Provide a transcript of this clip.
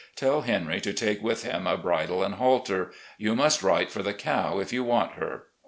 Tell Henry to take with him a bridle and halter. You must write for the cow if you want her.